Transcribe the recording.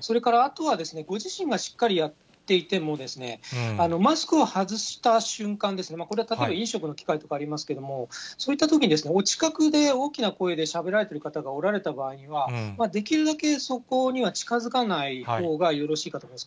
それから、あとはご自身がしっかりやっていても、マスクを外した瞬間ですね、これは例えば、飲食の機会とかありますけれども、そういったときに、お近くで大きな声でしゃべられている方がおられた場合には、できるだけそこには近づかないほうがよろしいかと思います。